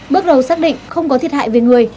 bước đầu xác định không có thiệt hại về người